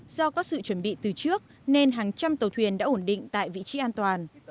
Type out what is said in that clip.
do có sự chuẩn bị từ trước nên hàng trăm tàu thuyền đã ổn định tại vị trí an toàn